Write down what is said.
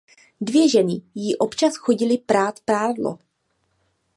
Dvě ženy jí občas chodily prát prádlo.